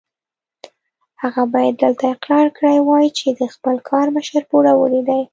هغه باید هلته اقرار کړی وای چې د خپل کار مشر پوروړی دی.